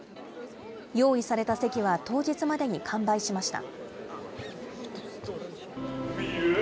用意された席は当日までに完売しました。